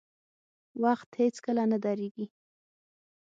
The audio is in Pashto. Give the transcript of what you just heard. • وخت هیڅکله نه درېږي.